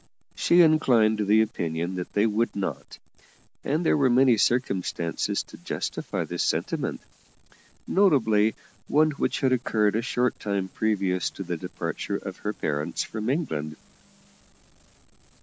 She inclined to the opinion that they would not, and there were many circumstances to justify this sentiment, notably one which had occurred a short time previous to the departure of her parents from England.